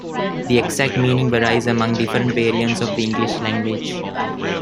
The exact meaning varies among different variants of the English language.